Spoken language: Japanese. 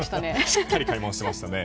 しっかり買い物してましたね。